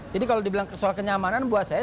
jadi kalau dibilang soal kenyamanan buat saya